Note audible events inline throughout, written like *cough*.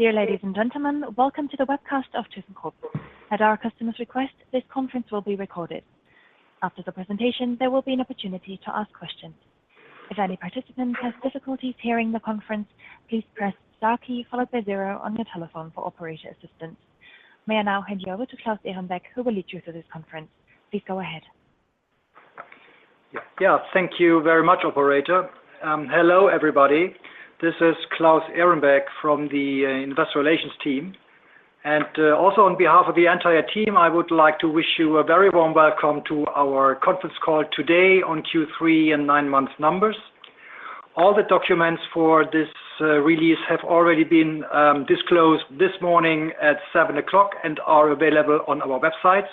Dear ladies and gentlemen, welcome to the webcast of thyssenkrupp. May I now hand you over to Claus Ehrenbeck, who will lead you through this conference. Please go ahead. Yeah. Thank you very much, operator. Hello, everybody. This is Claus Ehrenbeck from the investor relations team. Also on behalf of the entire team, I would like to wish you a very warm welcome to our conference call today on Q3 and nine-month numbers. All the documents for this release have already been disclosed this morning at 7:00 A.M and are available on our website.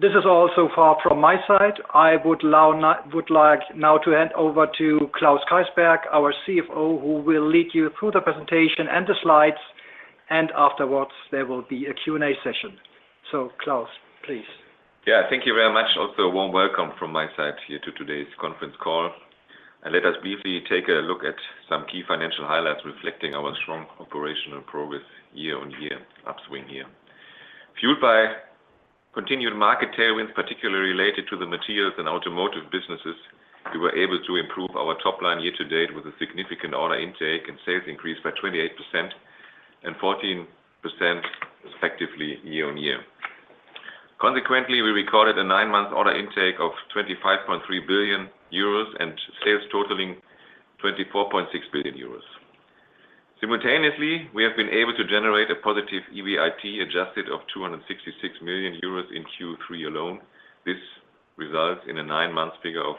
This is all so far from my side. I would like now to hand over to Klaus Keysberg, our CFO, who will lead you through the presentation and the slides, and afterwards, there will be a Q&A session. Klaus, please. Yeah. Thank you very much. Also, a warm welcome from my side here to today's conference call. Let us briefly take a look at some key financial highlights reflecting our strong operational progress year-over-year, upswing year. Fueled by continued market tailwinds, particularly related to the materials and automotive businesses, we were able to improve our top line year to date with a significant order intake and sales increase by 28% and 14% respectively year-over-year. Consequently, we recorded a nine-month order intake of 25.3 billion euros and sales totaling 24.6 billion euros. Simultaneously, we have been able to generate a positive EBIT adjusted of 266 million euros in Q3 alone. This results in a nine-month figure of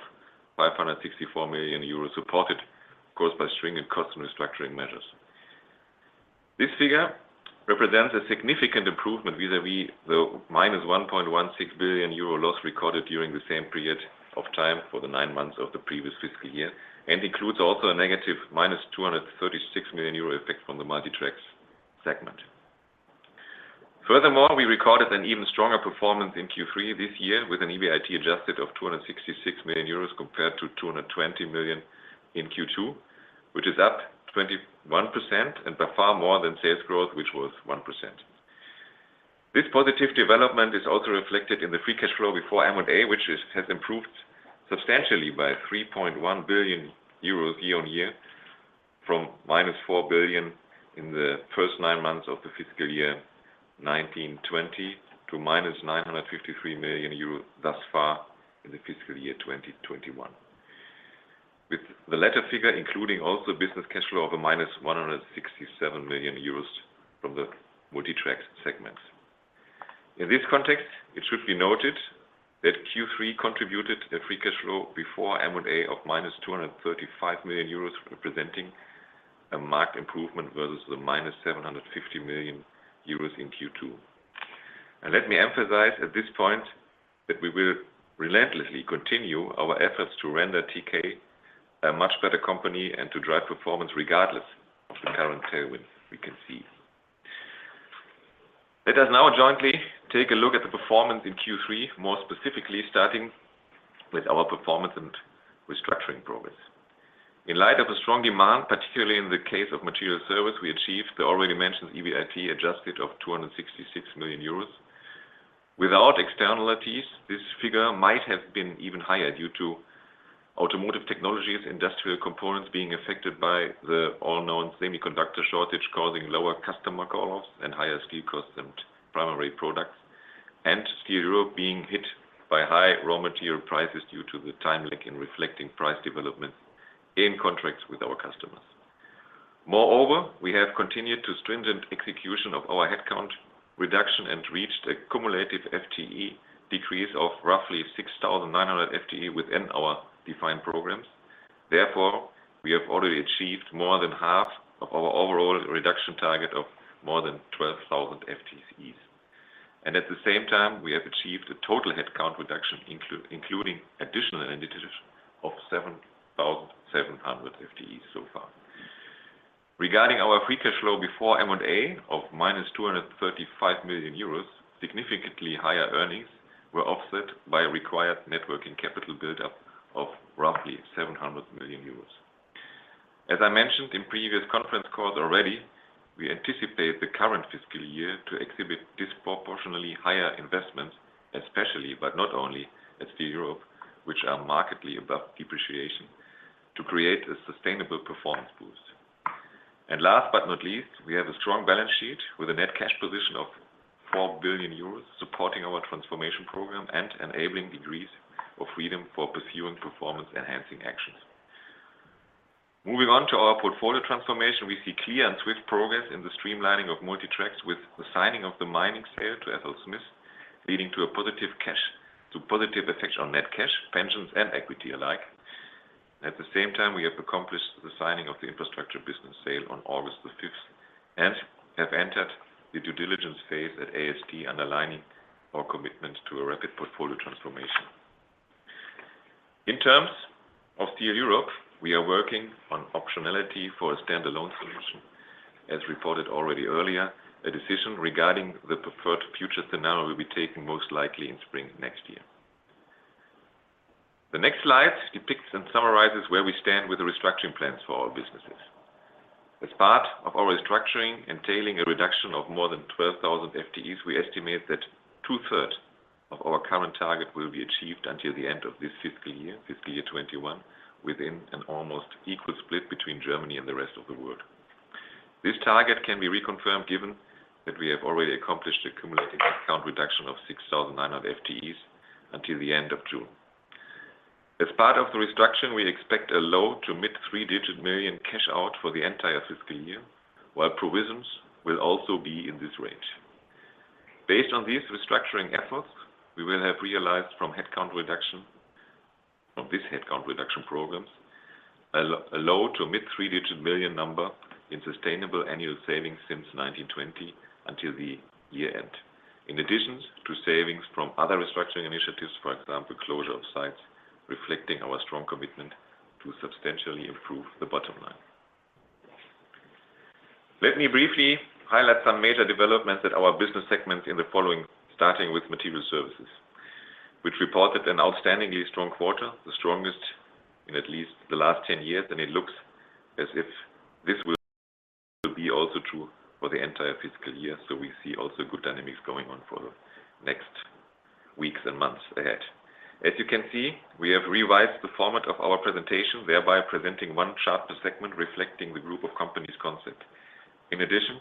564 million euros, supported, of course, by stringent cost restructuring measures. This figure represents a significant improvement vis-a-vis the -1.16 billion euro loss recorded during the same period of time for the nine months of the previous fiscal year, and includes also a negative -236 million euro effect from the Multi Tracks segment. We recorded an even stronger performance in Q3 this year with an EBIT adjusted of 266 million euros compared to 220 million in Q2, which is up 21% and by far more than sales growth, which was 1%. This positive development is also reflected in the free cash flow before M&A, which has improved substantially by 3.1 billion euros year-on-year from -4 billion in the first nine months of the fiscal year 2019/2020 to -953 million euros thus far in the fiscal year 2020/2021. With the latter figure including also Business Cash Flow of a -167 million euros from the Multi Tracks segments. In this context, it should be noted that Q3 contributed a free cash flow before M&A of -235 million euros, representing a marked improvement versus the -750 million euros in Q2. Let me emphasize at this point that we will relentlessly continue our efforts to render TK a much better company and to drive performance regardless of the current tailwind we can see. Let us now jointly take a look at the performance in Q3, more specifically starting with our performance and restructuring progress. In light of a strong demand, particularly in the case of Materials Services, we achieved the already mentioned EBIT adjusted of 266 million euros. Without externalities, this figure might have been even higher due to Automotive Technology, Industrial Components being affected by the well-known semiconductor shortage, causing lower customer call-offs and higher steel costs and primary products, and Steel Europe being hit by high raw material prices due to the time lag in reflecting price developments in contracts with our customers. We have continued to stringent execution of our headcount reduction and reached a cumulative FTE decrease of roughly 6,900 FTE within our defined programs. We have already achieved more than half of our overall reduction target of more than 12,000 FTEs. At the same time, we have achieved a total headcount reduction including additional ended attrition of 7,700 FTEs so far. Regarding our free cash flow before M&A of -235 million euros, significantly higher earnings were offset by a required net working capital buildup of roughly 700 million euros. As I mentioned in previous conference calls already, we anticipate the current fiscal year to exhibit disproportionately higher investments, especially, but not only at Steel Europe, which are markedly above depreciation to create a sustainable performance boost. Last but not least, we have a strong balance sheet with a net cash position of 4 billion euros supporting our transformation program and enabling degrees of freedom for pursuing performance-enhancing actions. Moving on to our portfolio transformation, we see clear and swift progress in the streamlining of Multi Tracks with the signing of the mining sale to FLSmidth, leading to a positive effect on net cash, pensions, and equity alike. At the same time, we have accomplished the signing of the infrastructure business sale on August 5th and have entered the due diligence phase at AST, underlining our commitment to a rapid portfolio transformation. In terms of Steel Europe, we are working on optionality for a standalone solution. As reported already earlier, a decision regarding the preferred future scenario will be taken most likely in spring next year. The next slide depicts and summarizes where we stand with the restructuring plans for our businesses. As part of our restructuring, entailing a reduction of more than 12,000 FTEs, we estimate that two-third of our current target will be achieved until the end of this fiscal year, fiscal year 2021, within an almost equal split between Germany and the rest of the world. This target can be reconfirmed given that we have already accomplished a cumulative headcount reduction of 6,900 FTEs until the end of June. As part of the restructure, we expect a EUR low to mid three-digit million cash out for the entire fiscal year, while provisions will also be in this range. Based on these restructuring efforts, we will have realized from this headcount reduction programs, a low to mid three-digit million EUR number in sustainable annual savings since 2019/2020 until the year-end. In addition to savings from other restructuring initiatives, for example, closure of sites, reflecting our strong commitment to substantially improve the bottom line. Let me briefly highlight some major developments at our business segments in the following, starting with Materials Services, which reported an outstandingly strong quarter, the strongest in at least the last 10 years, and it looks as if this will be also true for the entire fiscal year. We see also good dynamics going on for the next weeks and months ahead. As you can see, we have revised the format of our presentation, thereby presenting one chart per segment reflecting the group of companies concept. In addition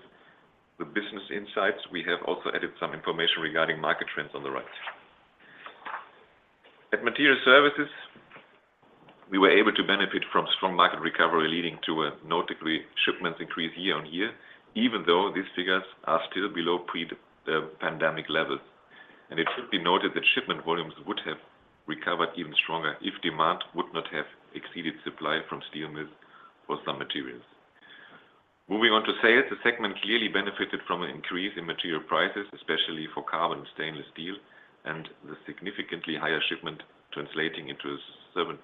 to business insights, we have also added some information regarding market trends on the right. At Materials Services, we were able to benefit from strong market recovery, leading to a notably shipments increase year-on-year, even though these figures are still below pre-pandemic levels. It should be noted that shipment volumes would have recovered even stronger if demand would not have exceeded supply from steel mills for some materials. Moving on to sales, the segment clearly benefited from an increase in material prices, especially for carbon, stainless steel and the significantly higher shipment translating into a 70%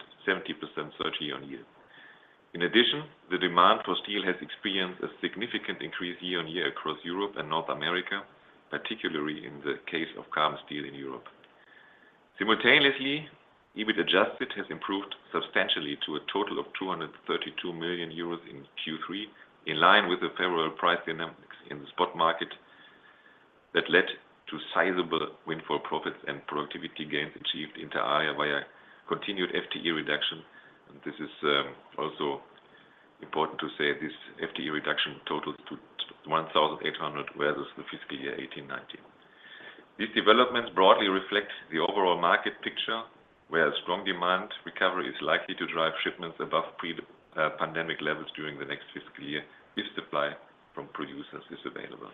surge year-on-year. In addition, the demand for steel has experienced a significant increase year-on-year across Europe and North America, particularly in the case of carbon steel in Europe. Simultaneously, EBIT adjusted has improved substantially to a total of 232 million euros in Q3, in line with the favorable price dynamics in the spot market that led to sizable windfall profits and productivity gains achieved inter alia via continued FTE reduction. This is also important to say, this FTE reduction totals to 1,800 versus the fiscal year 2018/2019. These developments broadly reflect the overall market picture, where strong demand recovery is likely to drive shipments above pre-pandemic levels during the next fiscal year, if supply from producers is available.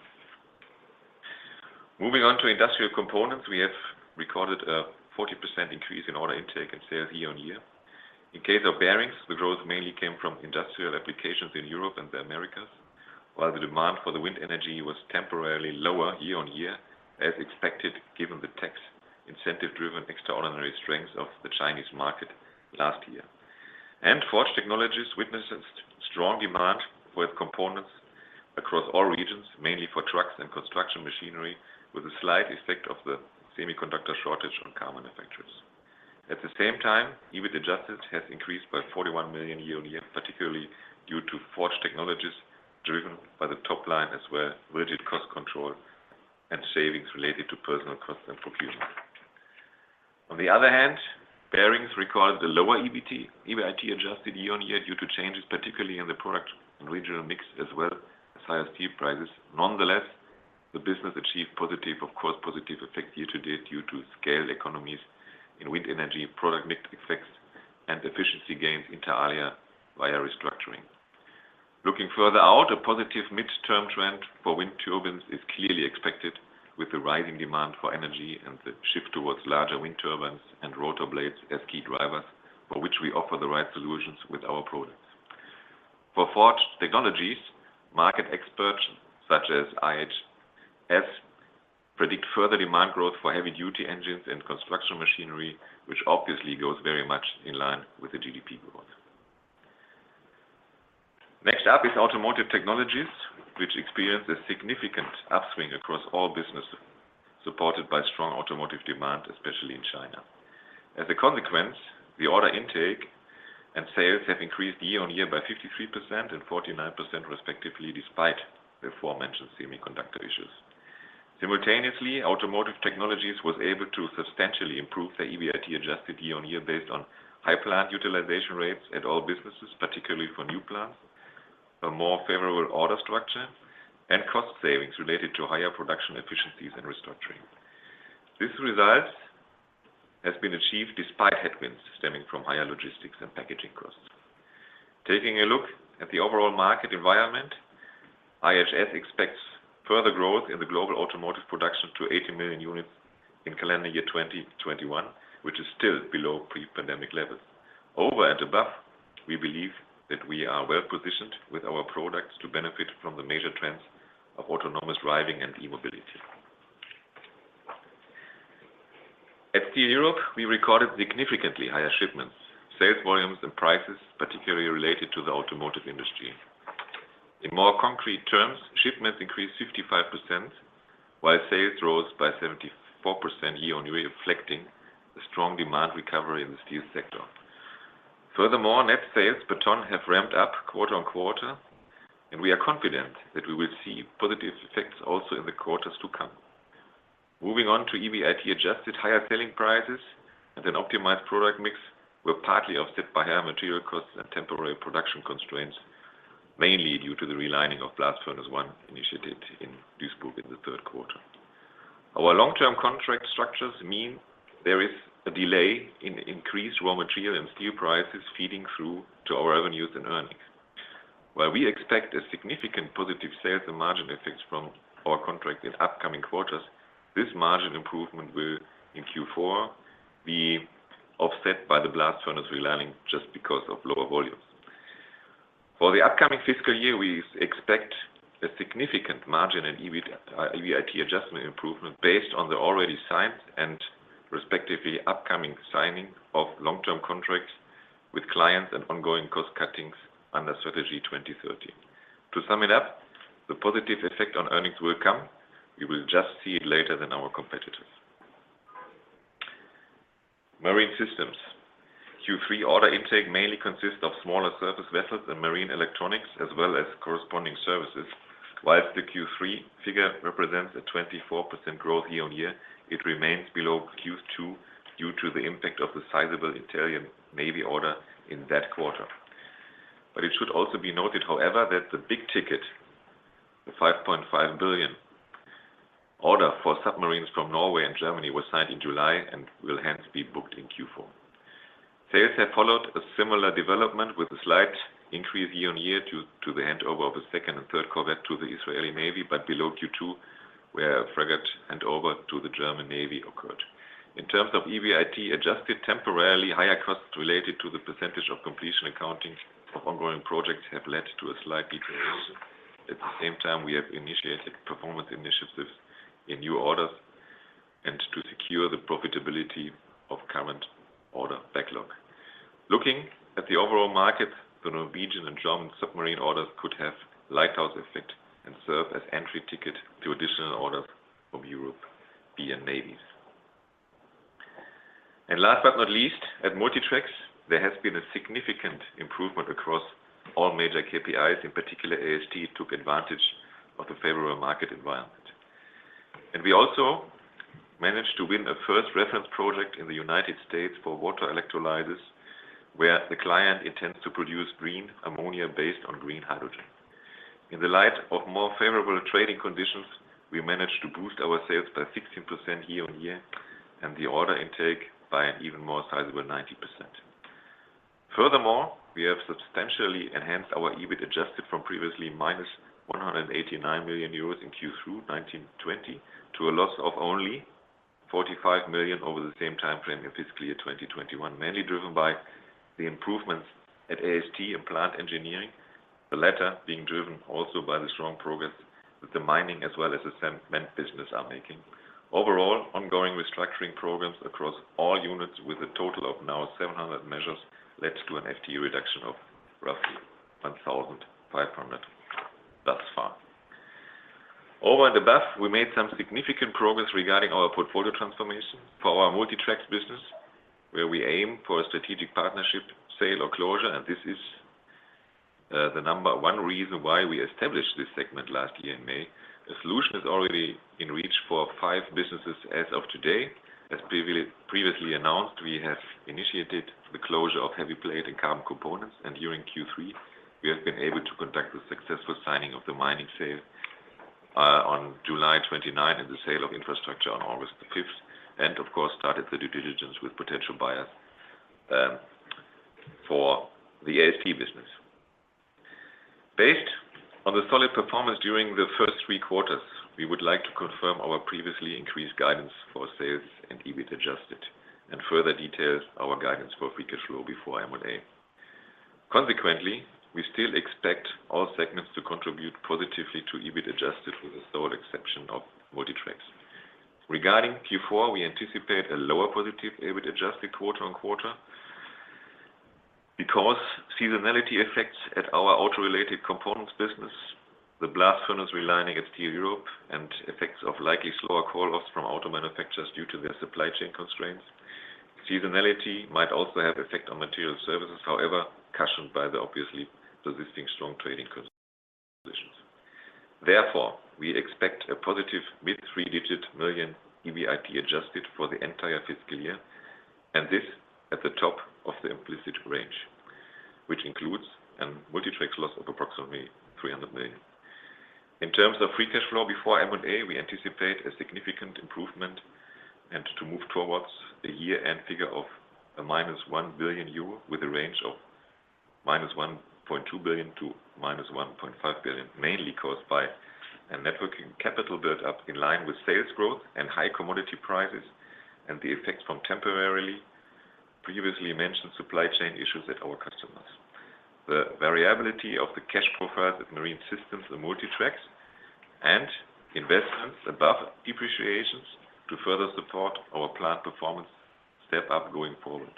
Moving on to Industrial Components, we have recorded a 40% increase in order intake and sales year-on-year. In case of Bearings, the growth mainly came from industrial applications in Europe and the Americas, while the demand for the wind energy was temporarily lower year-on-year as expected, given the tax incentive-driven extraordinary strength of the Chinese market last year. Forged Technologies witnessed a strong demand with components across all regions, mainly for trucks and construction machinery, with a slight effect of the semiconductor shortage on car manufacturers. At the same time, EBIT adjusted has increased by 41 million year-on-year, particularly due to Forged Technologies, driven by the top line, as well rigid cost control and savings related to personnel costs and procurement. On the other hand, Bearings recorded a lower EBIT adjusted year-on-year due to changes, particularly in the product and regional mix, as well as higher steel prices. Nonetheless, the business achieved positive effects year to date due to scale economies in wind energy, product mix effects, and efficiency gains inter alia via restructuring. Looking further out, a positive midterm trend for wind turbines is clearly expected with the rising demand for energy and the shift towards larger wind turbines and rotor blades as key drivers, for which we offer the right solutions with our products. For Forged Technologies, market experts such as IHS predict further demand growth for heavy duty engines and construction machinery, which obviously goes very much in line with the GDP growth. Next up is Automotive Technologies, which experienced a significant upswing across all businesses, supported by strong automotive demand, especially in China. As a consequence, the order intake and sales have increased year-on-year by 53% and 49% respectively, despite the aforementioned semiconductor issues. Simultaneously, Automotive Technology was able to substantially improve their EBIT adjusted year-on-year based on high plant utilization rates at all businesses, particularly for new plants, a more favorable order structure, and cost savings related to higher production efficiencies and restructuring. This result has been achieved despite headwinds stemming from higher logistics and packaging costs. Taking a look at the overall market environment, IHS expects further growth in the global automotive production to 80 million units in calendar year 2021, which is still below pre-pandemic levels. Over and above, we believe that we are well positioned with our products to benefit from the major trends of autonomous driving and e-mobility. At Steel Europe, we recorded significantly higher shipments, sales volumes and prices, particularly related to the automotive industry. In more concrete terms, shipments increased 55%, while sales rose by 74% year-on-year, reflecting the strong demand recovery in the steel sector. Furthermore, net sales per ton have ramped up quarter-on-quarter, and we are confident that we will see positive effects also in the quarters to come. Moving on to EBIT adjusted higher selling prices and an optimized product mix were partly offset by higher material costs and temporary production constraints, mainly due to the relining of Blast Furnace 1 initiated in Duisburg in the third quarter. Our long-term contract structures mean there is a delay in increased raw material and steel prices feeding through to our revenues and earnings. While we expect a significant positive sales and margin effects from our contract in upcoming quarters, this margin improvement will in Q4 be offset by the blast furnace relining just because of lower volumes. For the upcoming fiscal year, we expect a significant margin and EBIT adjusted improvement based on the already signed and respectively upcoming signing of long-term contracts with clients and ongoing cost cuttings under Strategy 20-30. To sum it up, the positive effect on earnings will come. We will just see it later than our competitors. Marine Systems. Q3 order intake mainly consists of smaller surface vessels and marine electronics as well as corresponding services. The Q3 figure represents a 24% growth year-on-year, it remains below Q2 due to the impact of the sizable Italian Navy order in that quarter. It should also be noted, however, that the big ticket, the 5.5 billion order for submarines from Norway and Germany, was signed in July and will hence be booked in Q4. Sales have followed a similar development with a slight increase year-on-year due to the handover of the second and third corvette to the Israeli Navy, but below Q2, where a frigate handover to the German Navy occurred. In terms of EBIT adjusted temporarily, higher costs related to the percentage of completion accounting of ongoing projects have led to a slight deterioration. At the same time, we have initiated performance initiatives in new orders and to secure the profitability of current order backlog. Looking at the overall market, the Norwegian and German submarine orders could have lighthouse effect and serve as entry ticket to additional orders from European navies. Last but not least, at Multi Tracks, there has been a significant improvement across all major KPIs. In particular, AST took advantage of the favorable market environment. We also managed to win a first reference project in the United States for water electrolyzers, where the client intends to produce green ammonia based on green hydrogen. In the light of more favorable trading conditions, we managed to boost our sales by 16% year-on-year and the order intake by an even more sizable 90%. Furthermore, we have substantially enhanced our EBIT adjusted from previously -189 million euros in Q3 2019/2020 to a loss of only 45 million over the same time frame in fiscal year 2021, mainly driven by the improvements at AST and Plant Engineering, the latter being driven also by the strong progress that the mining as well as the cement business are making. Overall, ongoing restructuring programs across all units with a total of now 700 measures led to an FTE reduction of roughly 1,500 thus far. Over at the, *audio distortion* we made some significant progress regarding our portfolio transformation for our Multi Tracks business, where we aim for a strategic partnership sale or closure, and this is the number one reason why we established this segment last year in May. A solution is already in reach for five businesses as of today. As previously announced, we have initiated the closure of heavy plate and carbon components, and during Q3, we have been able to conduct the successful signing of the mining sale on July 29th and the sale of infrastructure on August 5th, and of course, started the due diligence with potential buyers for the AST business. Based on the solid performance during the first three quarters, we would like to confirm our previously increased guidance for sales and EBIT adjusted and further details our guidance for free cash flow before M&A. We still expect all segments to contribute positively to EBIT adjusted, with the sole exception of Multi Tracks. Regarding Q4, we anticipate a lower positive EBIT adjusted quarter-on-quarter because seasonality effects at our auto-related components business, the blast furnace relining at Steel Europe, and effects of likely slower Abrufe from OEMs due to their supply chain constraints. Seasonality might also have effect on Materials Services, however, cushioned by the obviously persisting strong trading conditions. We expect a positive mid-three digit million EBIT adjusted for the entire fiscal year, and this at the top of the implicit range, which includes a Multi Tracks loss of approximately 300 million. In terms of free cash flow before M&A, we anticipate a significant improvement and to move towards a year-end figure of a -1 billion euro with a range of -1.2 billion to -1.5 billion, mainly caused by a net working capital build-up in line with sales growth and high commodity prices and the effects from temporarily previously mentioned supply chain issues at our customers. The variability of the cash profile at Marine Systems and Multi Tracks and investments above depreciation to further support our plant performance step-up going forward.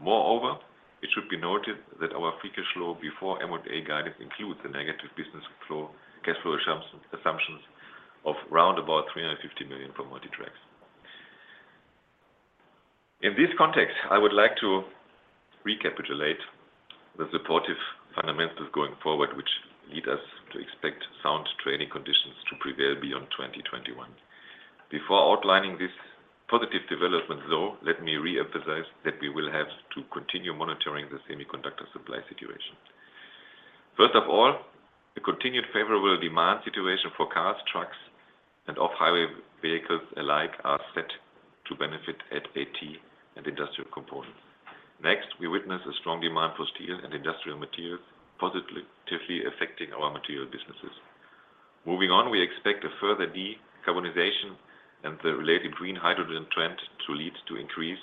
Moreover, it should be noted that our free cash flow before M&A guidance includes the negative business cash flow assumptions of around 350 million for Multi Tracks. In this context, I would like to recapitulate the supportive fundamentals going forward which lead us to expect sound trading conditions to prevail beyond 2021. Before outlining this positive development though, let me reemphasize that we will have to continue monitoring the semiconductor supply situation. First of all, the continued favorable demand situation for cars, trucks, and off-highway vehicles alike are set to benefit AT and Industrial Components. Next, we witness a strong demand for steel and industrial materials positively affecting our material businesses. Moving on, we expect a further decarbonization and the related green hydrogen trend to lead to increased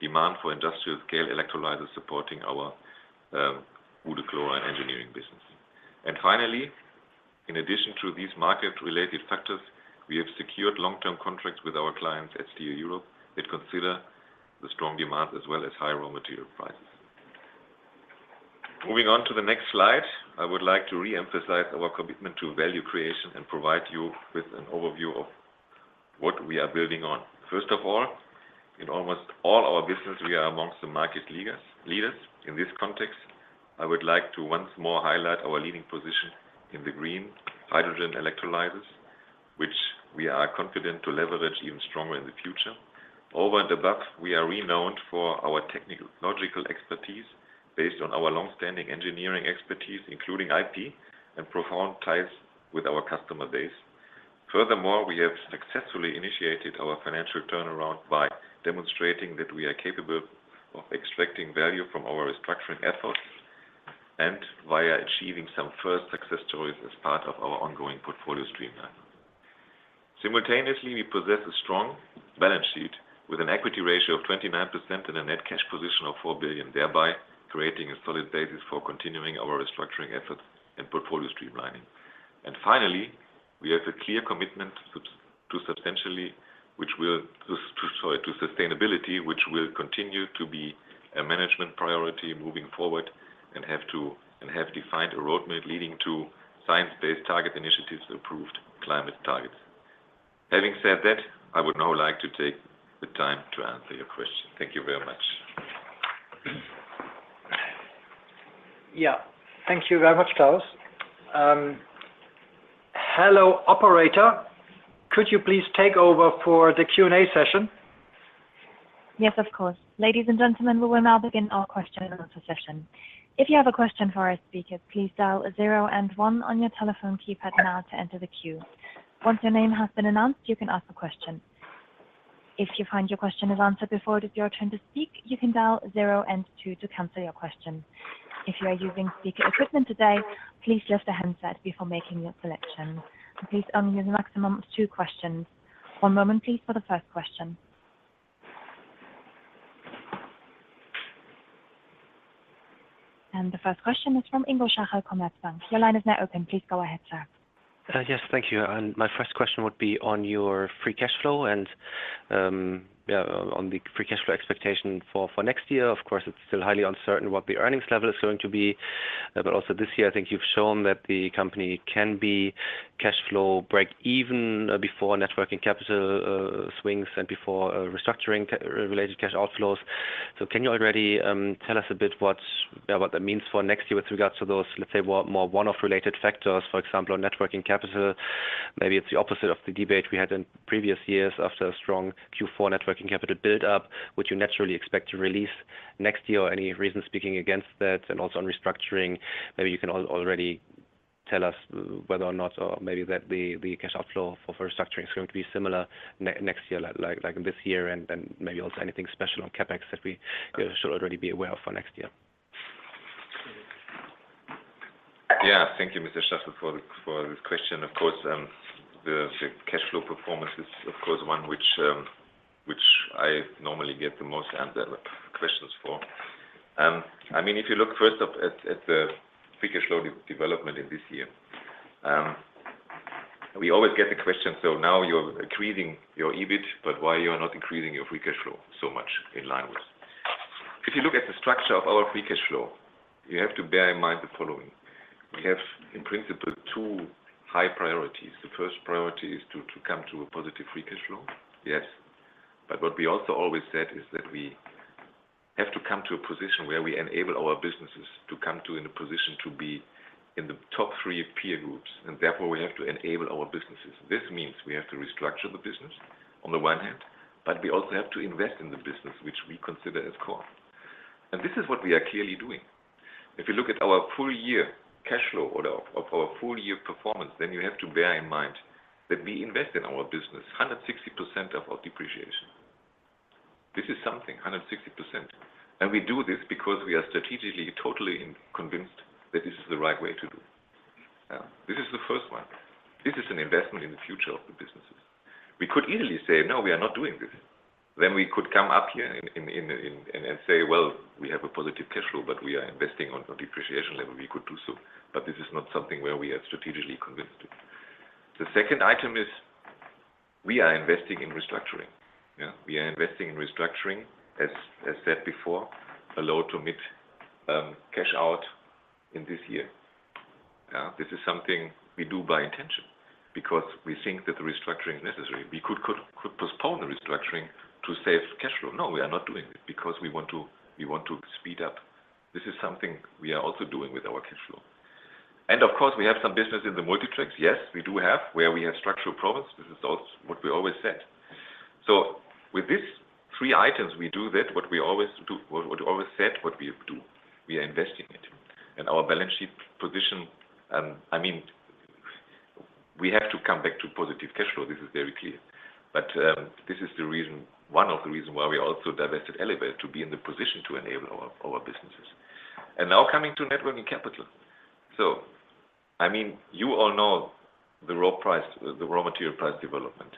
demand for industrial scale electrolyzers supporting our thyssenkrupp Uhde Chlorine Engineers business. In addition to these market related factors, we have secured long-term contracts with our clients at Steel Europe that consider the strong demand as well as high raw material prices. Moving on to the next slide, I would like to reemphasize our commitment to value creation and provide you with an overview of what we are building on. First of all, in almost all our business, we are amongst the market leaders. In this context, I would like to once more highlight our leading position in the green hydrogen electrolyzers, which we are confident to leverage even stronger in the future. Over in the, *audio distortion* we are renowned for our technological expertise based on our longstanding engineering expertise, including IP and profound ties with our customer base. Furthermore, we have successfully initiated our financial turnaround by demonstrating that we are capable of extracting value from our restructuring efforts and via achieving some first success stories as part of our ongoing portfolio streamline. Simultaneously, we possess a strong balance sheet with an equity ratio of 29% and a net cash position of 4 billion, thereby creating a solid basis for continuing our restructuring efforts and portfolio streamlining. Finally, we have a clear commitment to sustainability, which will continue to be a management priority moving forward and have defined a roadmap leading to Science Based Targets initiative approved climate targets. Having said that, I would now like to take the time to answer your question. Thank you very much. Yeah. Thank you very much, Klaus. Hello, operator. Could you please take over for the Q&A session? Yes, of course. Ladies and gentlemen, we will now begin our question and answer session. If you have a question for our speakers, please dial a zero and one on your telephone keypad now to enter the queue. Once your name has been announced, you can ask a question. If you find your question is answered before it is your turn to speak, you can dial zero and two to cancel your question. If you are using speaker equipment today, please lift the handset before making your selection. Please only use a maximum of two questions. One moment please for the first question. The first question is from Ingo Schachel, Commerzbank. Your line is now open. Please go ahead, sir. Yes. Thank you. My first question would be on your free cash flow and on the free cash flow expectation for next year. Of course, it is still highly uncertain what the earnings level is going to be. Also this year, I think you have shown that the company can be cash flow breakeven before net working capital swings and before restructuring related cash outflows. Can you already tell us a bit what that means for next year with regards to those, let us say, more one-off related factors, for example, on net working capital. Maybe it is the opposite of the debate we had in previous years after a strong Q4 net working capital build up, which you naturally expect to release next year. Any reason speaking against that? Also on restructuring, maybe you can already tell us whether or not the cash outflow for restructuring is going to be similar next year like this year, and then maybe also anything special on CapEx that we should already be aware of for next year? Thank you, Mr. Schachel, for this question. The cash flow performance is, of course, one which I normally get the most questions for. If you look first at the free cash flow development in this year. We always get the question, now you're increasing your EBIT, why you are not increasing your free cash flow so much in line with? If you look at the structure of our free cash flow, you have to bear in mind the following. We have, in principle, two high priorities. The first priority is to come to a positive free cash flow. Yes. What we also always said is that we have to come to a position where we enable our businesses to come to a position to be in the top three peer groups. Therefore, we have to enable our businesses. This means we have to restructure the business on the one hand, but we also have to invest in the business, which we consider as core. This is what we are clearly doing. If you look at our full year cash flow or our full year performance, then you have to bear in mind that we invest in our business 160% of our depreciation. This is something, 160%. We do this because we are strategically totally convinced that this is the right way to do. This is the first one. This is an investment. We could easily say, "No, we are not doing this." We could come up here and say, "Well, we have a positive cash flow, but we are investing on a depreciation level." We could do so, but this is not something where we are strategically convinced. The second item is we are investing in restructuring. We are investing in restructuring, as said before, a low to mid cash out in this year. This is something we do by intention because we think that the restructuring is necessary. We could postpone the restructuring to save cash flow. No, we are not doing it because we want to speed up. This is something we are also doing with our cash flow. Of course, we have some business in the Multi Tracks. Yes, we do have, where we have structural problems. This is what we always said. With these three items, we do that what we always said what we would do. We are investing it. Our balance sheet position, we have to come back to positive cash flow. This is very clear. This is one of the reasons why we also divested elevator, to be in the position to enable our businesses. Now coming to net working capital. You all know the raw material price development.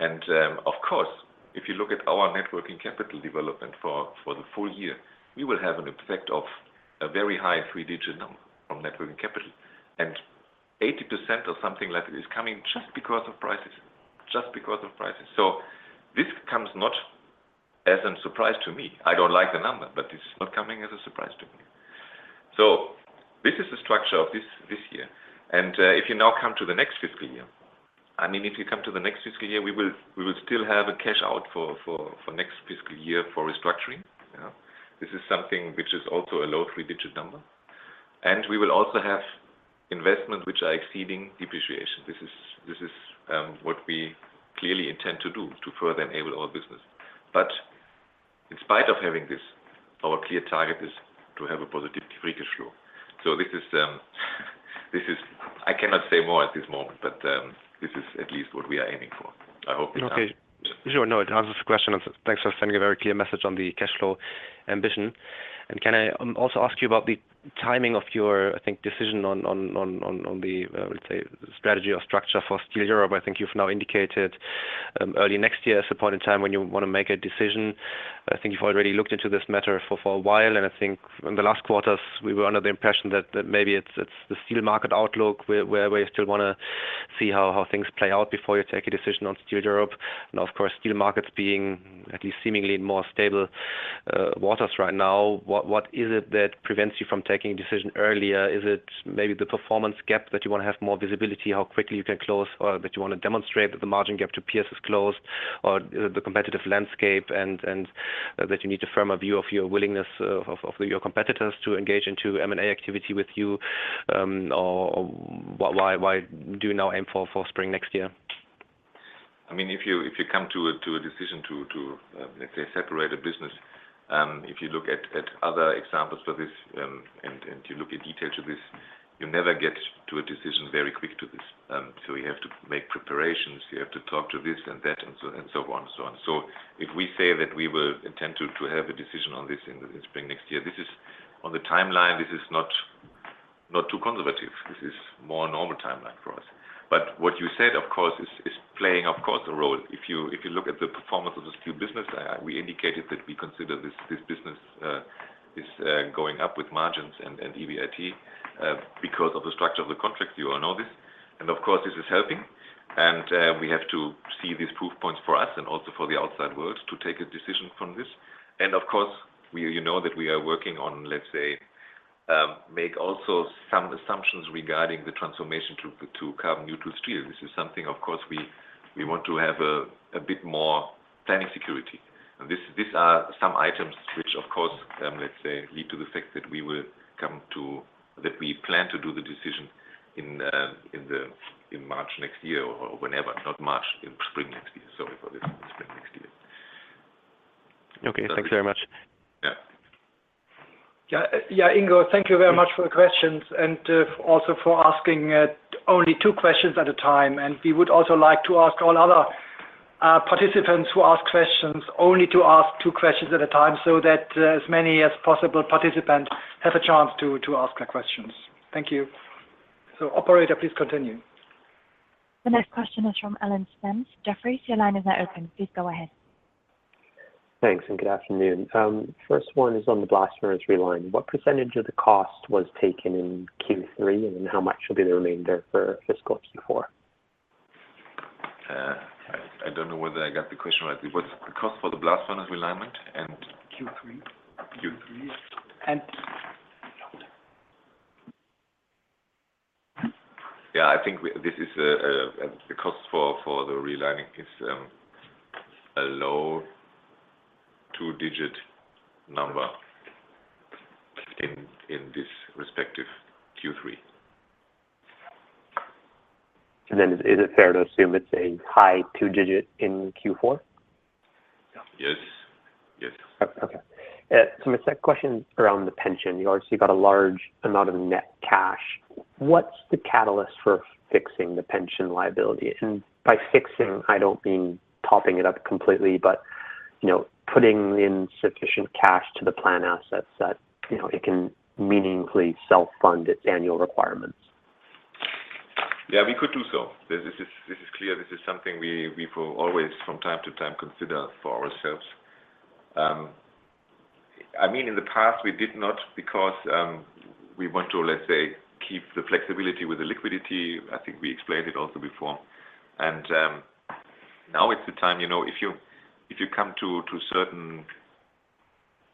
Of course, if you look at our net working capital development for the full year, we will have an effect of a very high three-digit number from net working capital. 80% or something like that is coming just because of prices. This comes not as a surprise to me. I don't like the number, but it's not coming as a surprise to me. This is the structure of this year. If you now come to the next fiscal year, we will still have a cash out for next fiscal year for restructuring. This is something which is also a low three-digit number. We will also have investments which are exceeding depreciation. This is what we clearly intend to do to further enable our business. In spite of having this, our clear target is to have a positive free cash flow. I cannot say more at this moment, but this is at least what we are aiming for. I hope it answers. Okay. Sure. No, it answers the question. Thanks for sending a very clear message on the cash flow ambition. Can I also ask you about the timing of your, I think, decision on the, I would say, strategy or structure for Steel Europe? I think you've now indicated early next year as a point in time when you want to make a decision. I think you've already looked into this matter for a while. I think in the last quarters, we were under the impression that maybe it's the steel market outlook, where we still want to see how things play out before you take a decision on Steel Europe. Now, of course, steel markets being at these seemingly more stable waters right now, what is it that prevents you from taking a decision earlier? Is it maybe the performance gap that you want to have more visibility how quickly you can close, or that you want to demonstrate that the margin gap to peers is closed? Or the competitive landscape, and that you need a firmer view of your willingness of your competitors to engage into M&A activity with you? Or why do you now aim for spring next year? If you come to a decision to, let's say, separate a business, if you look at other examples for this, and you look in detail to this, you never get to a decision very quick to this. You have to make preparations. You have to talk to this and that and so on and so on. If we say that we will intend to have a decision on this in spring next year, on the timeline, this is not too conservative. This is more normal timeline for us. What you said, of course, is playing, of course, a role. If you look at the performance of the steel business, we indicated that we consider this business is going up with margins and EBIT because of the structure of the contracts. You all know this. Of course, this is helping, and we have to see these proof points for us and also for the outside world to take a decision from this. Of course, you know that we are working on, let's say, make also some assumptions regarding the transformation to carbon neutral steel. This is something, of course, we want to have a bit more planning security. These are some items which, of course, let's say, lead to the fact that we plan to do the decision in March next year, or whenever. Not March, in spring next year. Sorry for this. In spring next year. Okay. Thanks very much. Yeah. Yeah, Ingo, thank you very much for the questions and also for asking only two questions at a time. We would also like to ask all other participants who ask questions only to ask two questions at a time so that as many as possible participants have a chance to ask their questions. Thank you. Operator, please continue. The next question is from Alan Spence. Jefferies, your line is now open. Please go ahead. Thanks. Good afternoon. First one is on the blast furnace relining. What percentage of the cost was taken in Q3? How much will be the remainder for fiscal Q4? I don't know whether I got the question right. What's the cost for the blast furnace relining and? Q3. Q3. Yeah, I think the cost for the relining is a low two-digit number in this respective Q3. Is it fair to assume it's a high two-digit in Q4? Yes. Okay. My second question around the pension. You obviously have got a large amount of net cash. What's the catalyst for fixing the pension liability? By fixing, I don't mean topping it up completely. Putting in sufficient cash to the plan assets that it can meaningfully self-fund its annual requirements. Yeah, we could do so. This is clear. This is something we will always, from time to time, consider for ourselves. In the past, we did not because we want to, let's say, keep the flexibility with the liquidity. I think we explained it also before. Now it's the time. If you come to certain,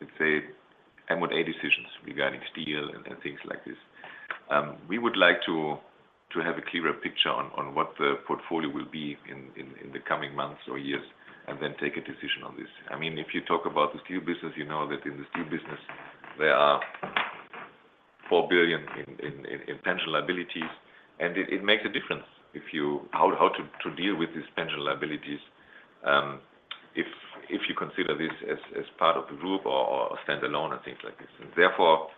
let's say, M&A decisions regarding steel and things like this, we would like to have a clearer picture on what the portfolio will be in the coming months or years, and then take a decision on this. If you talk about the steel business, you know that in the steel business, there are 4 billion in pension liabilities, and it makes a difference how to deal with these pension liabilities, if you consider this as part of the group or standalone and things like this. Therefore,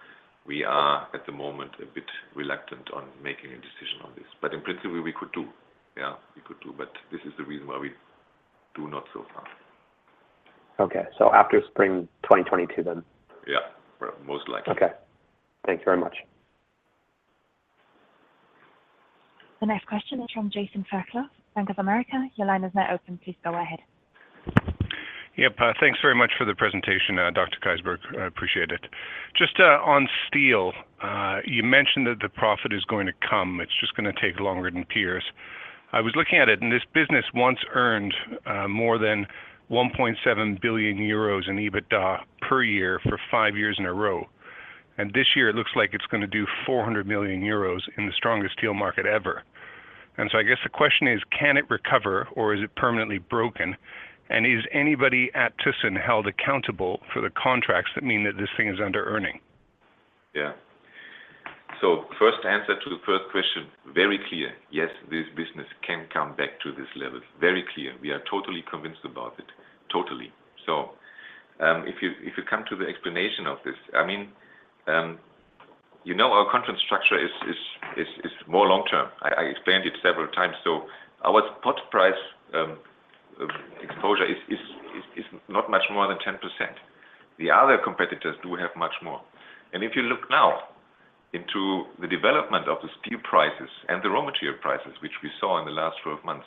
we are at the moment a bit reluctant on making a decision on this. In principle, we could do. This is the reason why we do not so far. Okay. after spring 2022 then? Yeah. Most likely. Okay. Thank you very much. The next question is from Jason Fairclough, Bank of America. Your line is now open. Please go ahead. Yep. Thanks very much for the presentation, Dr. Keysberg. I appreciate it. Just on steel, you mentioned that the profit is going to come, it's just going to take longer than peers. I was looking at it, this business once earned more than 1.7 billion euros in EBITDA per year for five years in a row. This year, it looks like it's going to do 400 million euros in the strongest steel market ever. So I guess the question is, can it recover, or is it permanently broken? Is anybody at thyssen held accountable for the contracts that mean that this thing is under-earning? First answer to the first question, very clear. Yes, this business can come back to this level. Very clear. We are totally convinced about it. Totally. If you come to the explanation of this, our contract structure is more long-term. I explained it several times. Our spot price exposure is not much more than 10%. The other competitors do have much more. If you look now into the development of the steel prices and the raw material prices, which we saw in the last 12 months,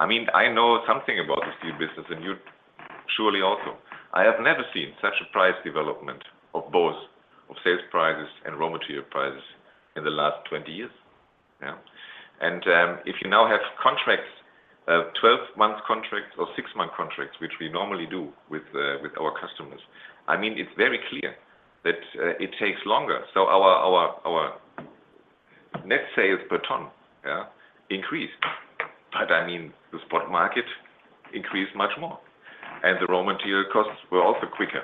I know something about the steel business, and you surely also. I have never seen such a price development of both of sales prices and raw material prices in the last 20 years. If you now have contracts, 12-month contracts or six-month contracts, which we normally do with our customers, it's very clear that it takes longer. Our net sales per ton increase. The spot market increased much more, and the raw material costs were also quicker.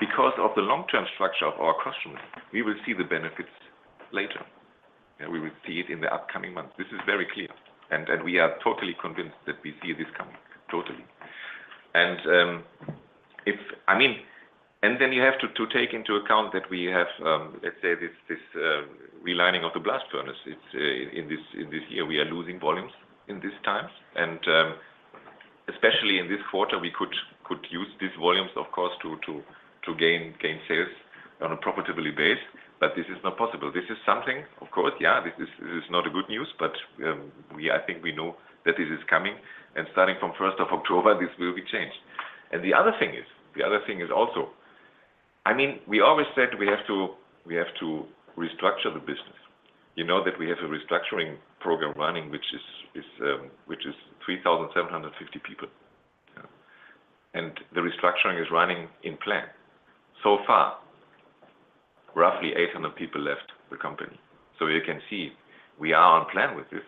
Because of the long-term structure of our customers, we will see the benefits later, and we will see it in the upcoming months. This is very clear, and we are totally convinced that we see this coming. Totally. You have to take into account that we have, let's say, this relining of the blast furnace. In this year, we are losing volumes in these times. Especially in this quarter, we could use these volumes, of course, to gain sales on a profitability base, but this is not possible. This is something, of course, this is not a good news, but I think we know that this is coming, and starting from 1st October, this will be changed. The other thing is also, we always said we have to restructure the business. You know that we have a restructuring program running, which is 3,750 people. The restructuring is running in plan. So far, roughly 800 people left the company. You can see we are on plan with this,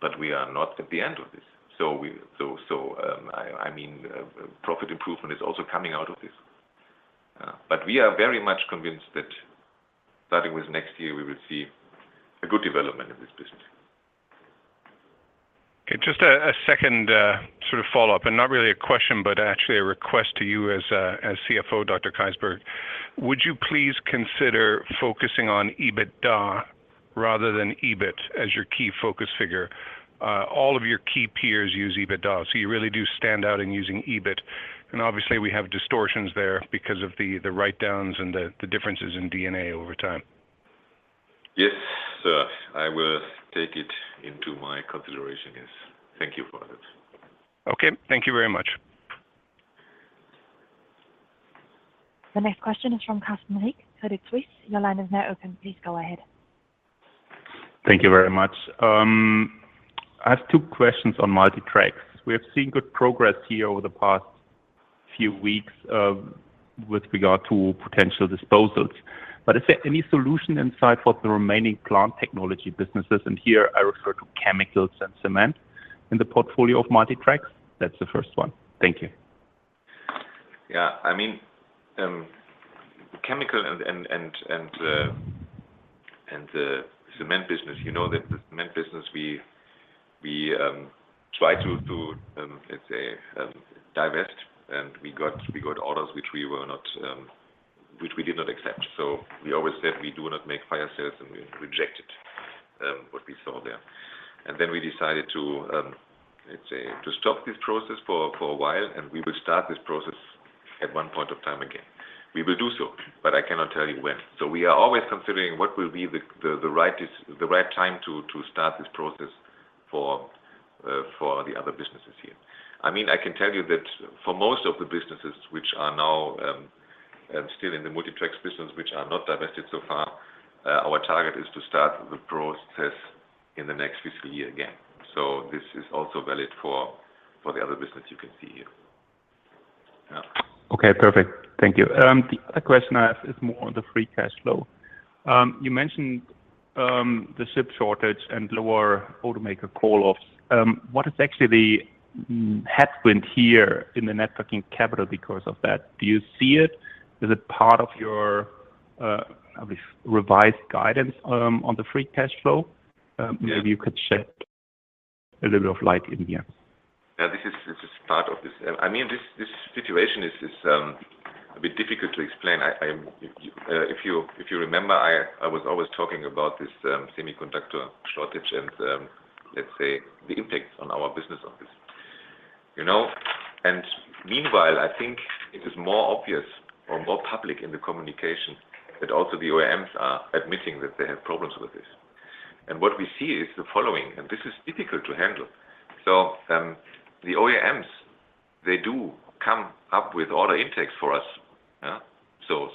but we are not at the end of this. Profit improvement is also coming out of this. We are very much convinced that starting with next year, we will see a good development in this business. Okay, just a second sort of follow-up, and not really a question, but actually a request to you as CFO, Dr. Keysberg. Would you please consider focusing on EBITDA rather than EBIT as your key focus figure? All of your key peers use EBITDA, so you really do stand out in using EBIT. Obviously we have distortions there because of the write-downs and the differences in D&A over time. Yes, sir. I will take it into my consideration, yes. Thank you for that. Okay. Thank you very much. The next question is from Carsten Riek, Credit Suisse. Your line is now open. Please go ahead. Thank you very much. I have two questions on Multi Tracks. We have seen good progress here over the past few weeks, with regard to potential disposals. Is there any solution in sight for the remaining Plant Engineering businesses? Here I refer to chemicals and cement in the portfolio of Multi Tracks. That's the first one. Thank you. Yeah. Chemical and the cement business, you know that the cement business we try to, let's say, divest, and we got orders which we did not accept. We always said we do not make fire sales, and we rejected what we saw there. Then we decided to, let's say, stop this process for a while, and we will start this process at one point of time again. We will do so, but I cannot tell you when. We are always considering what will be the right time to start this process for the other businesses here. I can tell you that for most of the businesses which are now still in the Multi Tracks business, which are not divested so far, our target is to start the process in the next fiscal year again. This is also valid for the other business you can see here. Yeah. Okay, perfect. Thank you. The other question I have is more on the free cash flow. You mentioned the chip shortage and lower automaker call-offs. What is actually the headwind here in the net working capital because of that? Do you see it as a part of your revised guidance on the free cash flow? Yeah. Maybe you could shed a little bit of light in here. Yeah, this is part of this. This situation is a bit difficult to explain. If you remember, I was always talking about this semiconductor shortage and, let's say, the impact on our business of this. Meanwhile, I think it is more obvious or more public in the communication that also the OEMs are admitting that they have problems with this. What we see is the following, and this is difficult to handle. The OEMs, they do come up with order intakes for us.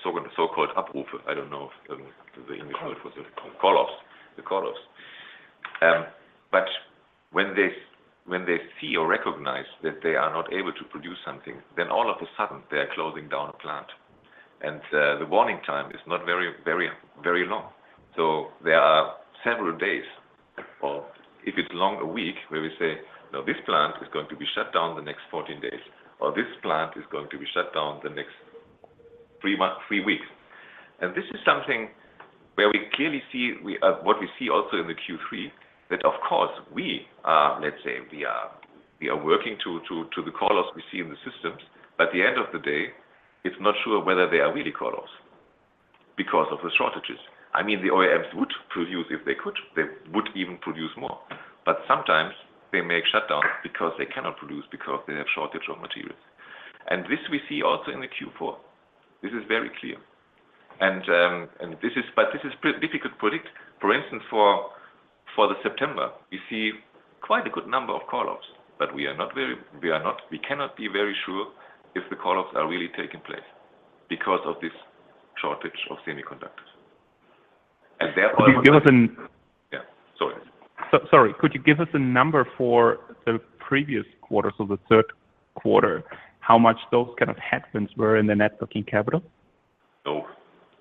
So-called Abrufe. I don't know the English word for- Call-offs call-offs. The call-offs. When they see or recognize that they are not able to produce something, all of a sudden they are closing down a plant. The warning time is not very long. They are several days, or if it's long, a week, where we say, "No, this plant is going to be shut down the next 14 days," or, "This plant is going to be shut down the next three weeks." This is something where we clearly see, what we see also in the Q3, that of course we are working to the call-offs we see in the systems. At the end of the day, it's not sure whether they are really call-offs because of the shortages. The OEMs would produce if they could. They would even produce more. Sometimes they make shutdowns because they cannot produce, because they have shortage of materials. This we see also in the Q4. This is very clear. This is difficult to predict. For instance, for the September, we see quite a good number of call-offs, but we cannot be very sure if the call-offs are really taking place because of this shortage of semiconductors. Could you give us an? Yeah. Sorry. Sorry. Could you give us a number for the previous quarter, so the third quarter, how much those kind of headwinds were in the net working capital? No,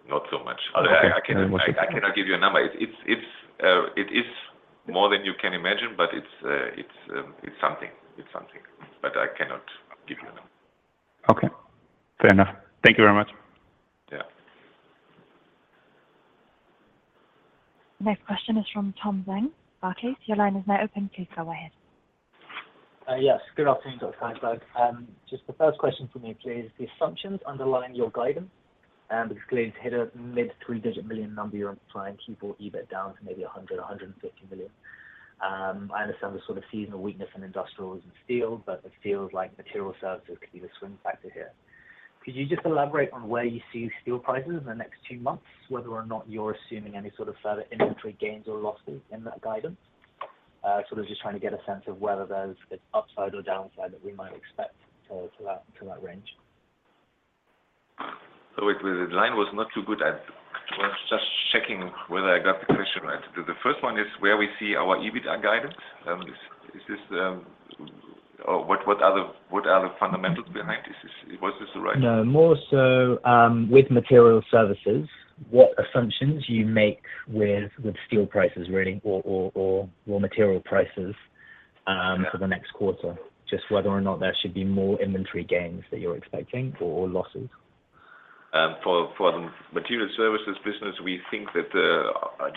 not so much. Okay. I cannot give you a number. It is more than you can imagine, but it's something. I cannot give you a number. Okay. Fair enough. Thank you very much. Yeah. Next question is from Tom Zhang, Barclays. Operator, your line is now open. Please go ahead. Yes. Good afternoon, Dr. Keysberg. Just the first question from me, please. The assumptions underlying your guidance, clearly you hit a EUR mid-three-digit million number you're implying Q4 EBIT down to maybe 100 million, 150 million. I understand the sort of seasonal weakness in industrials and steel, it feels like Materials Services could be the swing factor here. Could you just elaborate on where you see steel prices in the next two months, whether or not you're assuming any sort of further inventory gains or losses in that guidance? Sort of just trying to get a sense of whether there's upside or downside that we might expect to that range. Wait, the line was not too good. I was just checking whether I got the question right. The first one is where we see our EBITDA guidance. Is this, or what are the fundamentals behind this? No, more so, with Materials Services, what assumptions you make with steel prices, really, or raw material prices. Yeah for the next quarter, just whether or not there should be more inventory gains that you're expecting or losses. For the Materials Services business, we think that